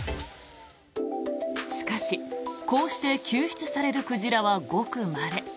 しかし、こうして救出される鯨はごくまれ。